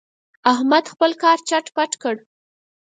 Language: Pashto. احمد خپل کار چټ پټ کړ.